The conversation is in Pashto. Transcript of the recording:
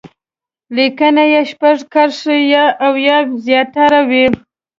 لیکنه دې شپږ کرښې او یا تر دې زیاته وي.